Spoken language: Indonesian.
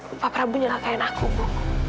bapak prabu mencelakai anakku bu